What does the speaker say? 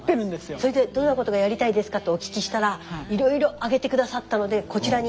それで「どんなことがやりたいですか？」とお聞きしたらいろいろ挙げて下さったのでこちらに。